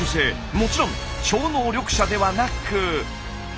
もちろん超能力者ではなく。